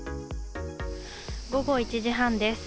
午後１時半です。